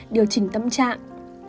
điều chỉnh tâm trạng